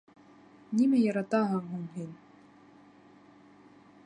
— Нимә яратаһың һуң һин?